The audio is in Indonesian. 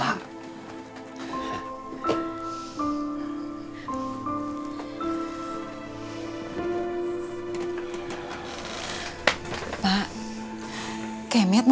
bapak sudah datang